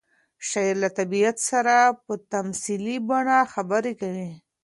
شاعر له طبیعت سره په تمثیلي بڼه خبرې کوي.